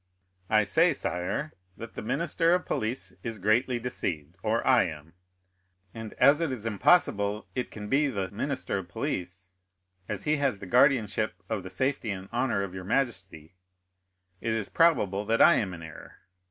"I say, sire, that the minister of police is greatly deceived or I am; and as it is impossible it can be the minister of police as he has the guardianship of the safety and honor of your majesty, it is probable that I am in error.